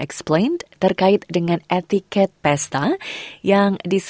dan pastikan anda memiliki kesenangan